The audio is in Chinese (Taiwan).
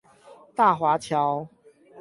大華橋